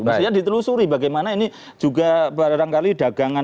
mestinya ditelusuri bagaimana ini juga barangkali dagangan